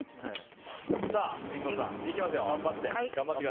リンゴさん、頑張って。